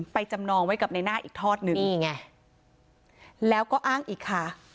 จำนองไว้กับในหน้าอีกทอดหนึ่งนี่ไงแล้วก็อ้างอีกค่ะ